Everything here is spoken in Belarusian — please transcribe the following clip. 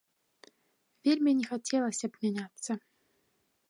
Вельмі не хацелася б мяняцца.